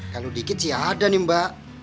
kalau dikit sih ada nih mbak